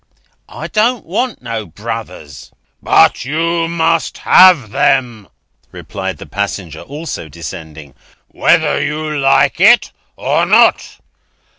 I don't want no brothers." "But you must have them," replied the passenger, also descending, "whether you like it or not.